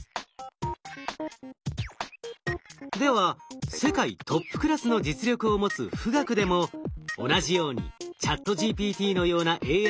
では世界トップクラスの実力を持つ富岳でも同じようにＣｈａｔＧＰＴのようなＡＩを生み出すことはできるのでしょうか？